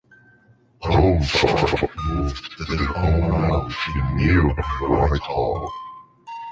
Home Farm moved to their own ground in nearby Whitehall.